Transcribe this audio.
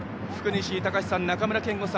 福西崇史さん、中村憲剛さん